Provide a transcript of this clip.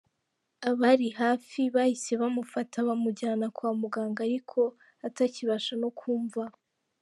Abari hafi bahise bamufata bamujyana kwa muganga ariko atakibasha no kumva.